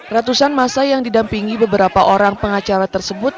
ratusan masa yang didampingi beberapa orang pengacara tersebut